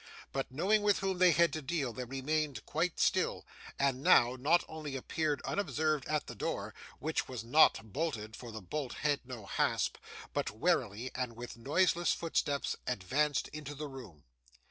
But, knowing with whom they had to deal, they remained quite still, and now, not only appeared unobserved at the door which was not bolted, for the bolt had no hasp but warily, and with noiseless footsteps, advanced into the room.